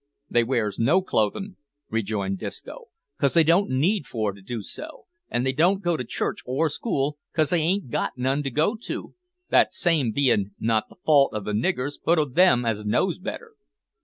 "They wears no clothin'," rejoined Disco, "'cause they don't need for to do so; an' they don't go to church or school, 'cause they hain't got none to go to that same bein' not the fault o' the niggers, but o' them as knows better."